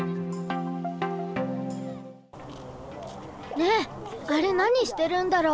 ねえあれ何してるんだろう？